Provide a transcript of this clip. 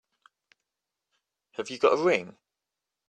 Have you got a ring?